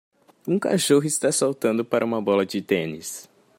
Um cachorro está saltando para uma bola de tênis.